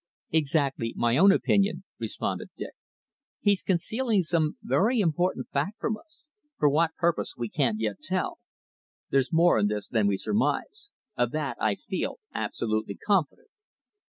"Exactly my own opinion," responded Dick. "He's concealing some very important fact from us for what purpose we can't yet tell. There's more in this than we surmise. Of that I feel absolutely confident."